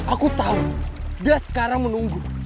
aku tahu dia sekarang menunggu